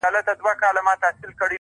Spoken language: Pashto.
• دا پنځوس کاله پراته پر زکندن یو ,